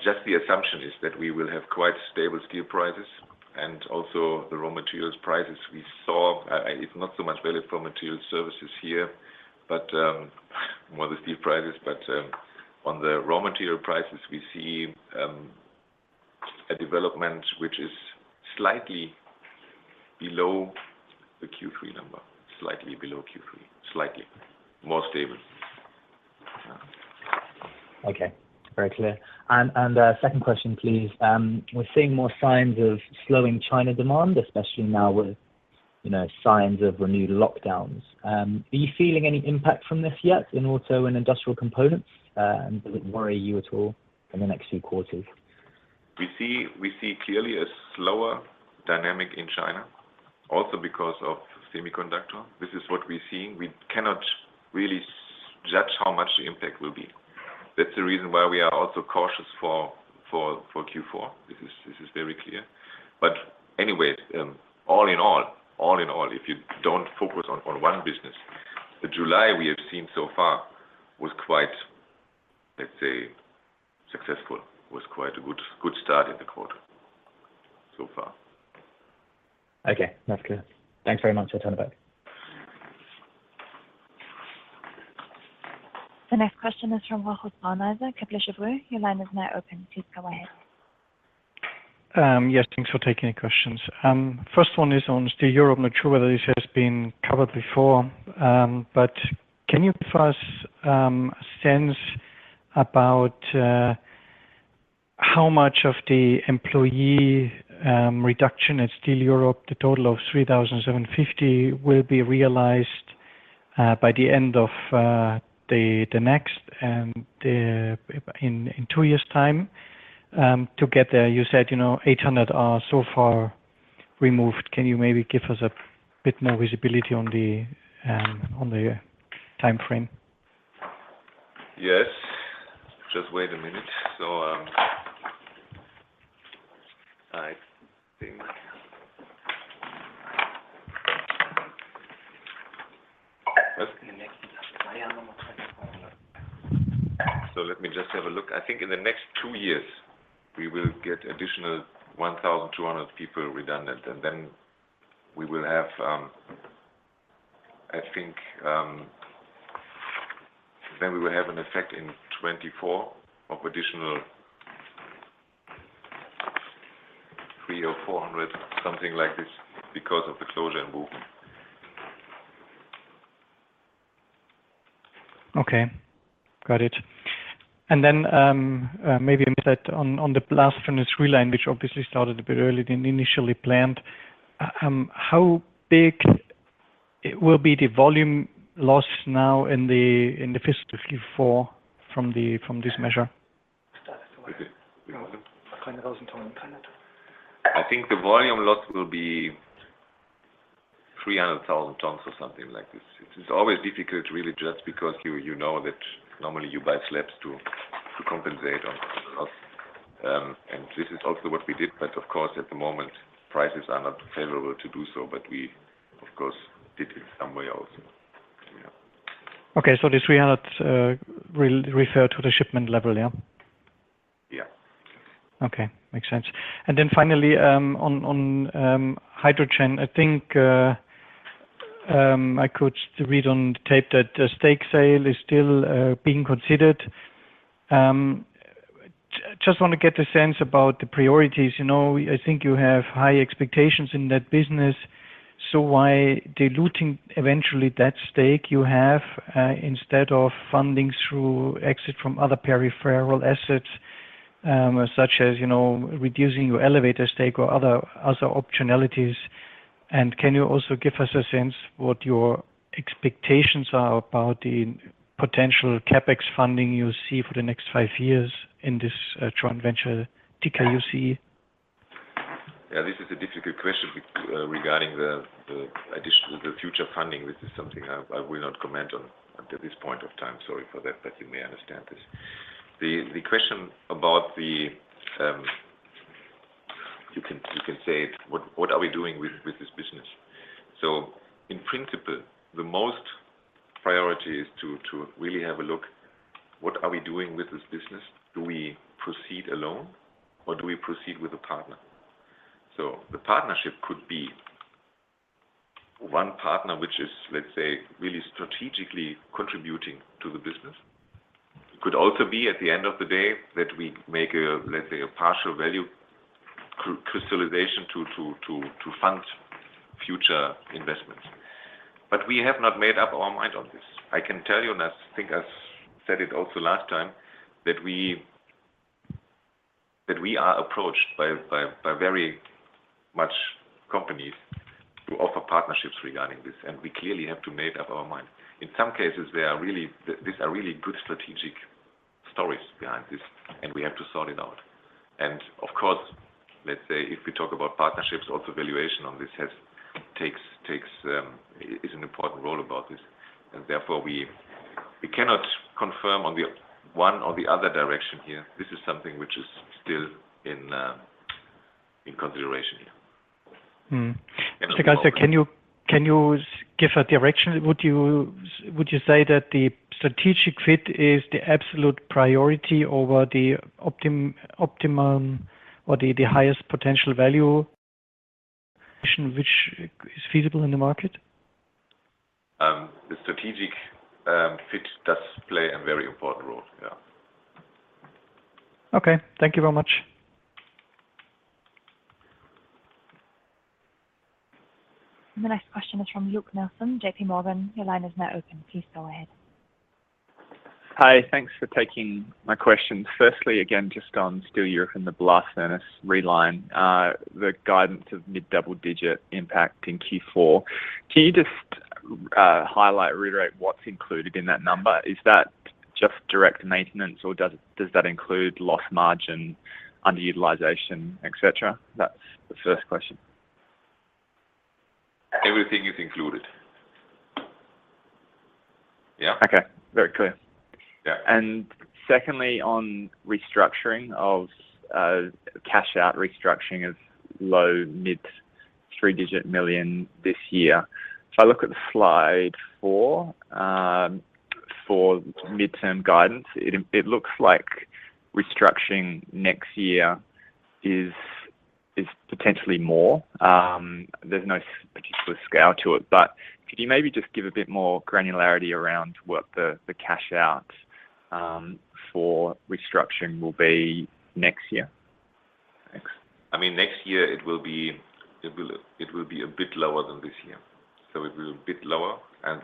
just the assumption is that we will have quite stable steel prices and also the raw materials prices we saw, it's not so much really for Materials Services here, more the steel prices. On the raw material prices, we see a development which is slightly below the Q3 number. Slightly below Q3. Slightly. More stable. Okay. Very clear. Second question, please. We're seeing more signs of slowing China demand, especially now with signs of renewed lockdowns. Are you feeling any impact from this yet in auto and Industrial Components? Does it worry you at all in the next few quarters? We see clearly a slower dynamic in China also because of semiconductor. This is what we're seeing. We cannot really judge how much the impact will be. That's the reason why we are also cautious for Q4. This is very clear. Anyway, all in all, if you don't focus on one business, the July we have seen so far was quite, let's say, successful, was quite a good start in the quarter so far. Okay. That's clear. Thanks very much, Dr. Keysberg. The next question is from Rochus Brauneiser, Kepler Cheuvreux. Your line is now open. Please go ahead. Yes, thanks for taking the questions. First one is on Steel Europe. Not sure whether this has been covered before, but can you give us a sense about how much of the employee reduction at Steel Europe, the total of 3,750, will be realized by the end of the next, in two years' time? To get there, you said 800 are so far removed. Can you maybe give us a bit more visibility on the timeframe? Yes. Just wait a minute. I think. Let me just have a look. I think in the next two years, we will get additional 1,200 people redundant, and then we will have, I think, an effect in 2024 of additional 300 or 400, something like this, because of the closure in Bochum. Okay. Got it. Maybe on the blast furnace reline, which obviously started a bit earlier than initially planned. How big will be the volume loss now in the fiscal year 2024 from this measure? I think the volume loss will be 300,000 tons or something like this. It is always difficult, really, just because you know that normally you buy slabs to compensate on costs. This is also what we did, but of course, at the moment, prices are not favorable to do so, but we, of course, did it some way also. Yeah. Okay. The 300 refer to the shipment level, yeah? Yeah. Okay. Makes sense. Finally, on hydrogen, I think I could read on the tape that a stake sale is still being considered. Just want to get a sense about the priorities. I think you have high expectations in that business, why diluting eventually that stake you have, instead of funding through exit from other peripheral assets, such as reducing your elevator stake or other optionalities? Can you also give us a sense what your expectations are about the potential CapEx funding you see for the next five years in this joint venture, tkUCE? This is a difficult question regarding the future funding. This is something I will not comment on at this point of time. Sorry for that, but you may understand this. The question about the, you can say it, what are we doing with this business? In principle, the most priority is to really have a look, what are we doing with this business? Do we proceed alone, or do we proceed with a partner? The partnership could be one partner, which is, let's say, really strategically contributing to the business. Could also be, at the end of the day, that we make a, let's say, a partial value crystallization to fund future investments. We have not made up our mind on this. I can tell you, and I think I said it also last time, that we are approached by very much companies who offer partnerships regarding this, and we clearly have to make up our mind. In some cases, these are really good strategic stories behind this, and we have to sort it out. Of course, let's say if we talk about partnerships, also valuation on this is an important role about this. Therefore, we cannot confirm on the one or the other direction here. This is something which is still in consideration here. Can you give a direction? Would you say that the strategic fit is the absolute priority over the optimum or the highest potential valuation, which is feasible in the market? The strategic fit does play a very important role, yeah. Okay. Thank you very much. The next question is from Luke Nelson, JPMorgan. Your line is now open. Please go ahead. Hi. Thanks for taking my questions. Firstly, again, just on Steel Europe and the blast furnace reline, the guidance of mid-double digit impact in Q4. Can you just highlight, reiterate what's included in that number? Is that just direct maintenance, or does that include loss margin, underutilization, et cetera? That's the first question. Everything is included. Yeah. Okay. Very clear. Yeah. Secondly, on restructuring of cash out restructuring of low-mid, three-digit million this year. If I look at Slide four, for mid-term guidance, it looks like restructuring next year. There's potentially more. There's no particular scale to it. Could you maybe just give a bit more granularity around what the cash out for restructuring will be next year? Thanks. Next year, it will be a bit lower than this year. It will be a bit lower. In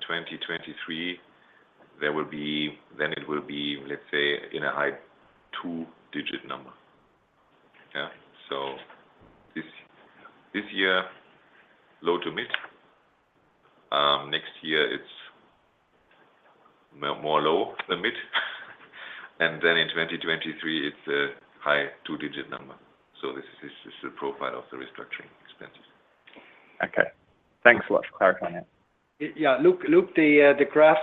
2023, then it will be, let's say, in a high two-digit number. Yeah. This year, low to mid. Next year, it's more low than mid. In 2023, it's a high two-digit number. This is the profile of the restructuring expenses. Okay. Thanks a lot for clarifying that. Yeah. Look the graph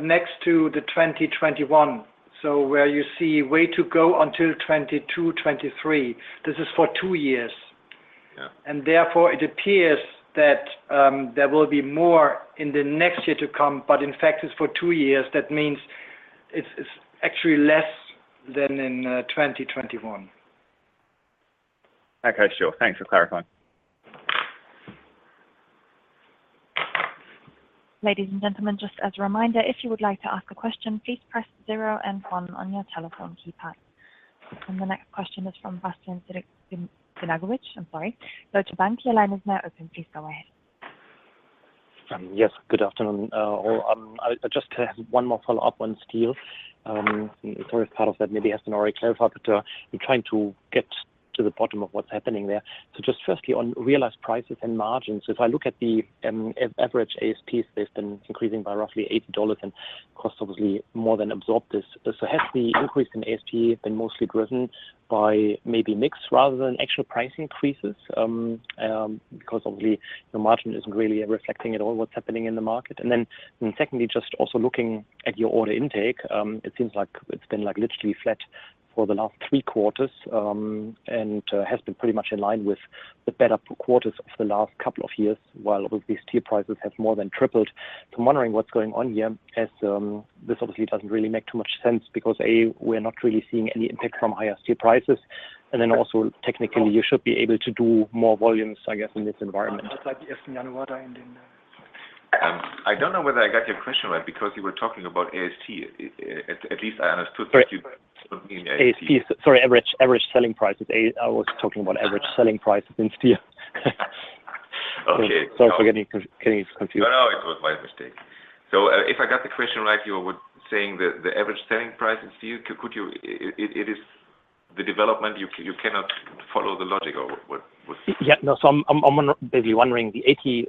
next to the 2021. Where you see way to go until 2022, 2023, this is for two years. Yeah. Therefore, it appears that there will be more in the next year to come. In fact, it's for two years. That means it's actually less than in 2021. Okay, sure. Thanks for clarifying. Ladies and gentlemen, just as a reminder, if you would like to ask a question, please press zero and one on your telephone keypad. The next question is from Bastian Synagowitz. I'm sorry. Deutsche Bank, your line is now open. Please go ahead. Yes. Good afternoon, all. Just to have one more follow-up on steel. Sorry if part of that maybe has been already clarified, but I'm trying to get to the bottom of what's happening there. Just firstly, on realized prices and margins, if I look at the average ASPs, they've been increasing by roughly EUR 80 and costs obviously more than absorb this. Has the increase in ASP been mostly driven by maybe mix rather than actual price increases? Obviously, the margin isn't really reflecting at all what's happening in the market. Secondly, just also looking at your order intake, it seems like it's been literally flat for the last three quarters, and has been pretty much in line with the better quarters of the last couple of years, while obviously steel prices have more than tripled. I'm wondering what's going on here, as this obviously doesn't really make too much sense because, A, we're not really seeing any impact from higher steel prices. Also, technically, you should be able to do more volumes, I guess, in this environment. I'll take the first and then you add in. I don't know whether I got your question right because you were talking about ASP, at least I understood that you were talking ASP. ASP. Sorry, Average Selling Prices. I was talking about Average Selling Prices in steel. Okay. Sorry for getting you confused. No, it was my mistake. If I got the question right, you were saying that the Average Selling Price in steel, it is the development, you cannot follow the logic, or what's the? Yeah. No. I'm basically wondering, the 80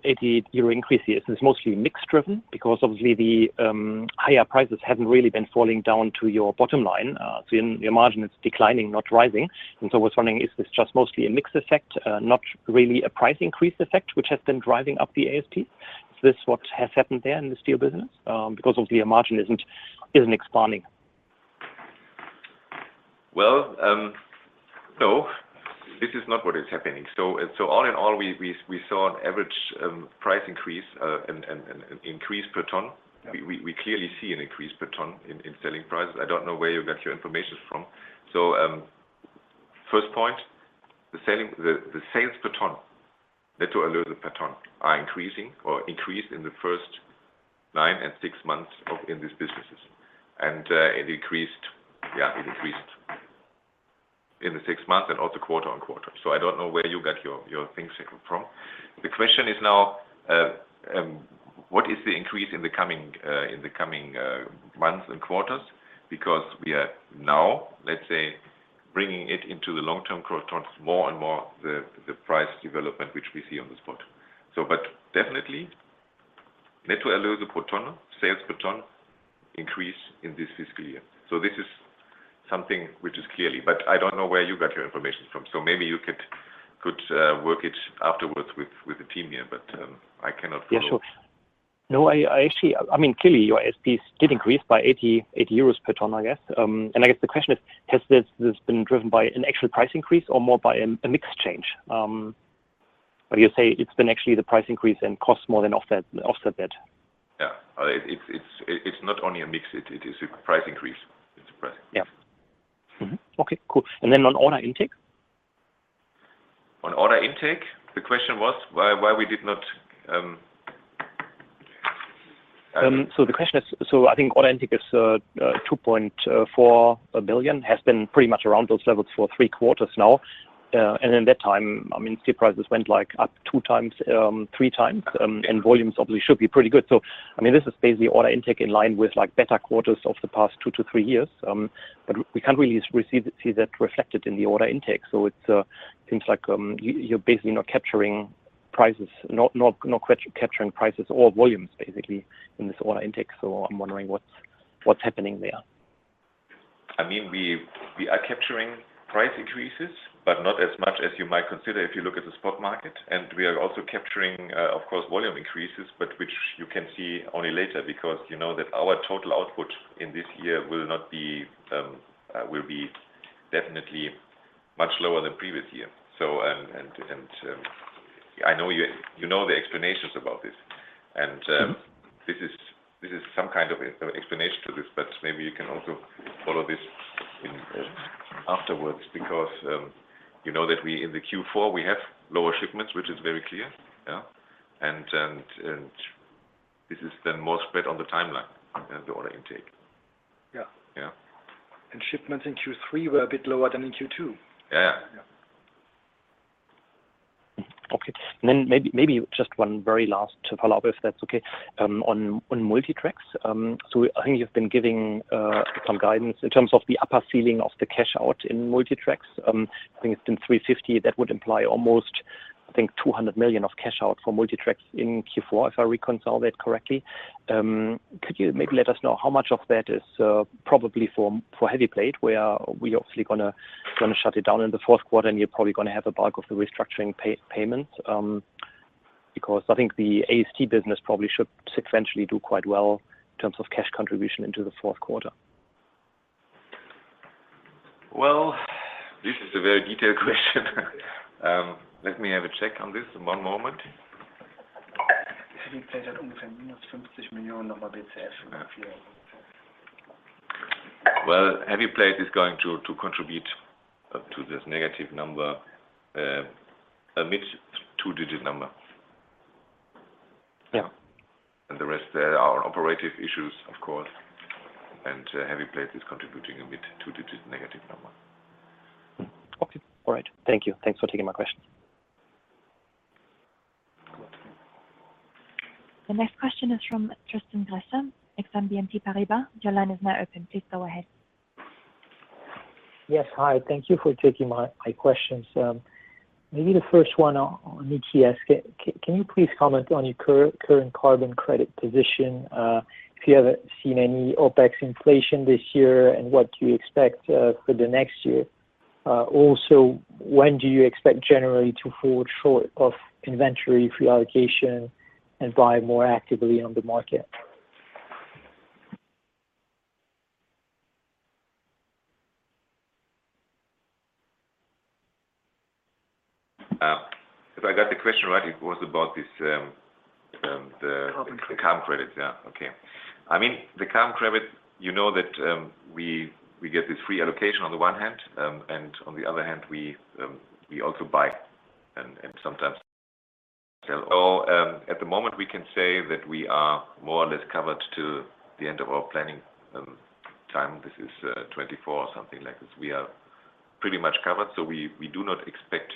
increase here, is this mostly mix-driven? Obviously the higher prices haven't really been falling down to your bottom line. Your margin is declining, not rising. I was wondering, is this just mostly a mix effect, not really a price increase effect, which has been driving up the ASP? Is this what has happened there in the steel business? Obviously your margin isn't expanding. Well, no, this is not what is happening. All in all, we saw an average price increase per ton. We clearly see an increase per ton in selling prices. I don't know where you got your information from. First point, the sales per ton, net sales per ton, are increasing or increased in the first nine and six months in these businesses. It increased. Yeah, it increased in the six months and also quarter-on-quarter. I don't know where you got your things signal from. The question is now, what is the increase in the coming months and quarters? We are now, let's say, bringing it into the long-term quarters more and more, the price development, which we see on the spot. Definitely, net sales per ton, sales per ton increase in this fiscal year. This is something which is clear. I don't know where you got your information from. Maybe you could work it afterwards with the team here, but I cannot follow. Yeah, sure. No, actually, clearly your ASPs did increase by 80 per ton, I guess. I guess the question is, has this been driven by an actual price increase or more by a mix change? You say it's been actually the price increase and cost more than offset that. Yeah. It's not only a mix, it is a price increase. Yeah. Okay, cool. On order intake? On order intake, the question was why we did not. The question is, I think order intake is 2.4 billion, has been pretty much around those levels for three quarters now. In that time, steel prices went up two times, three times, and volumes obviously should be pretty good. This is basically order intake in line with better quarters of the past two to three years. We can't really see that reflected in the order intake. I'm wondering what's happening there. We are capturing price increases, but not as much as you might consider if you look at the spot market. We are also capturing, of course, volume increases, but which you can see only later because you know that our total output in this year will be definitely much lower than previous year. I know you know the explanations about this, and this is some kind of explanation to this, but maybe you can also follow this afterwards, because you know that in the Q4, we have lower shipments, which is very clear. This is then more spread on the timeline than the order intake. Yeah. Yeah. Shipments in Q3 were a bit lower than in Q2. Yeah. Yeah. Okay. Maybe just one very last follow-up, if that's okay, on Multi Tracks. I think you've been giving some guidance in terms of the upper ceiling of the cash out in Multi Tracks. I think it's been 350 that would imply almost, I think, 200 million of cash out for Multi Tracks in Q4, if I reconcile that correctly. Could you maybe let us know how much of that is probably for heavy plate, where we obviously going to shut it down in the fourth quarter, and you're probably going to have a bulk of the restructuring payment. I think the AST business probably should sequentially do quite well in terms of cash contribution into the fourth quarter. Well, this is a very detailed question. Let me have a check on this. One moment. Well, heavy plate is going to contribute to this negative number, a mid-two-digit number. Yeah. The rest are operative issues, of course. Heavy plate is contributing a mid-two digit negative number. Okay. All right. Thank you. Thanks for taking my question. Good. The next question is from Tristan Gresser, Exane BNP Paribas. Your line is now open. Please go ahead. Yes. Hi. Thank you for taking my questions. The first one on ETS. Can you please comment on your current carbon credit position, if you have seen any OpEx inflation this year, and what do you expect for the next year? When do you expect generally to hold short of inventory free allocation and buy more actively on the market? If I got the question right, it was about the. Carbon credits the carbon credits. Yeah. Okay. I mean, the carbon credit, you know that we get this free allocation on the one hand, and on the other hand, we also buy and sometimes sell. At the moment, we can say that we are more or less covered to the end of our planning time. This is 2024 or something like this. We are pretty much covered, we do not expect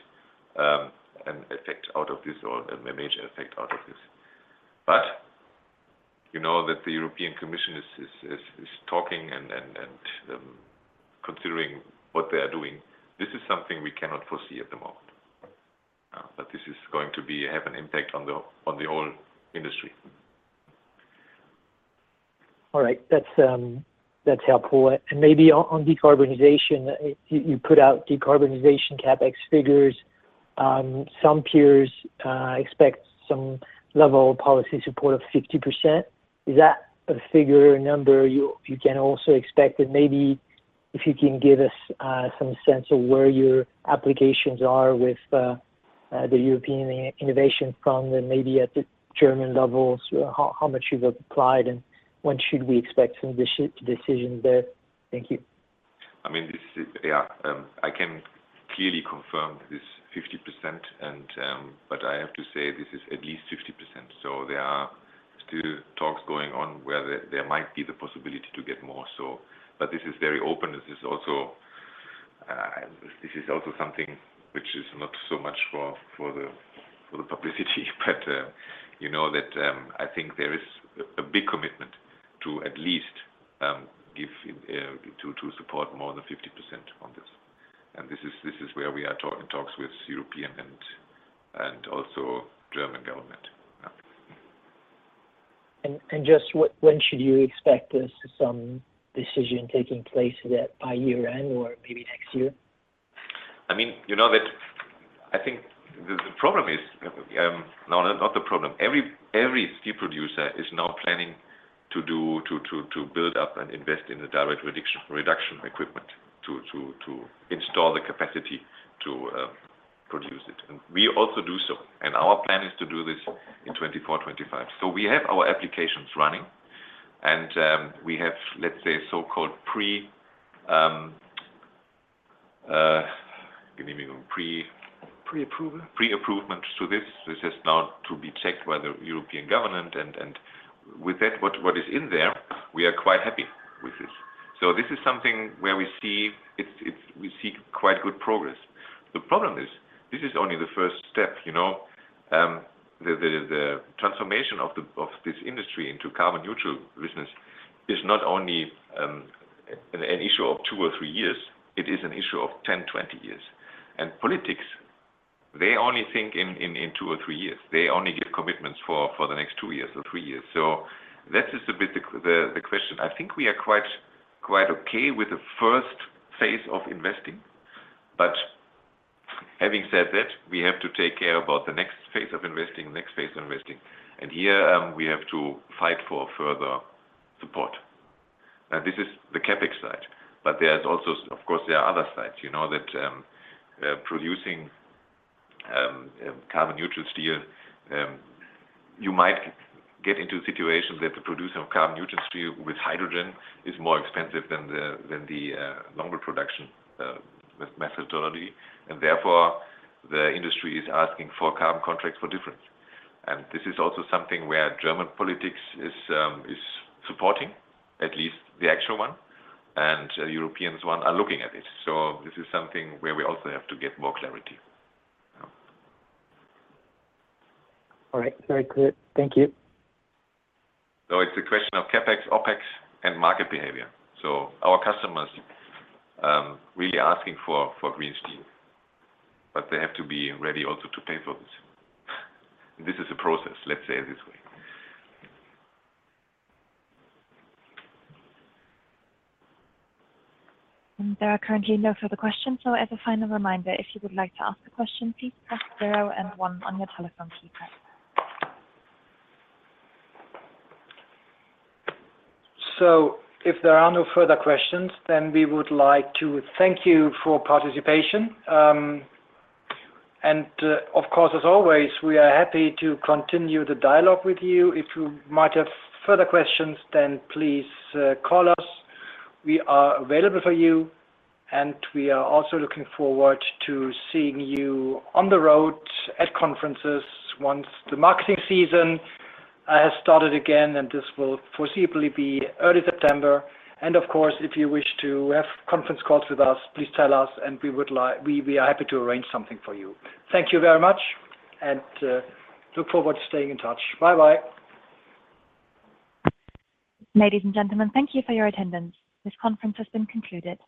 a major effect out of this. You know that the European Commission is talking and considering what they are doing. This is something we cannot foresee at the moment. This is going to have an impact on the whole industry. All right. That's helpful. Maybe on decarbonization. You put out decarbonization CapEx figures. Some peers expect some level of policy support of 50%. Is that a figure or number you can also expect? Maybe if you can give us some sense of where your applications are with the European Innovation Fund and maybe at the German levels, how much you've applied, and when should we expect some decisions there? Thank you. I can clearly confirm this 50%, but I have to say this is at least 50%. There are still talks going on where there might be the possibility to get more. This is very open. This is also something which is not so much for the publicity, but I think there is a big commitment to at least to support more than 50% on this. This is where we are in talks with European and also German government. Yeah. Just when should you expect this, some decision taking place by year-end or maybe next year? I think the problem is. Not the problem. Every steel producer is now planning to build up and invest in the direct reduction equipment to install the capacity to produce it. We also do so, and our plan is to do this in 2024, 2025. We have our applications running, and we have, let's say, so-called Pre. Pre-approval. Pre-approval to this. This is now to be checked by the European Commission. With that, what is in there, we are quite happy with this. This is something where we see quite good progress. The problem is this is only the first step. The transformation of this industry into carbon neutral business is not only an issue of two or three years, it is an issue of 10, 20 years. Politics, they only think in two or three years. They only give commitments for the next two years or three years. That is a bit the question. I think we are quite okay with the first phase of investing. Having said that, we have to take care about the next phase of investing. Here, we have to fight for further support. This is the CapEx side. There is also, of course, there are other sides, that producing carbon neutral steel, you might get into situations where the producer of carbon neutral steel with hydrogen is more expensive than the legacy production with metallurgy, and therefore the industry is asking for carbon contracts for difference. This is also something where German politics is supporting, at least the actual one, and European ones are looking at it. This is something where we also have to get more clarity. All right. Very clear. Thank you. It's a question of CapEx, OpEx, and market behavior. Our customers really asking for green steel, but they have to be ready also to pay for this. This is a process, let's say it this way. There are currently no further questions. As a final reminder, if you would like to ask a question, please press zero and one on your telephone keypad. If there are no further questions, then we would like to thank you for participation. Of course, as always, we are happy to continue the dialogue with you. If you might have further questions, then please call us. We are available for you, and we are also looking forward to seeing you on the road at conferences once the marketing season has started again, and this will foreseeably be early September. Of course, if you wish to have conference calls with us, please tell us and we are happy to arrange something for you. Thank you very much, and look forward to staying in touch. Bye-bye. Ladies and gentlemen, thank you for your attendance. This conference has been concluded.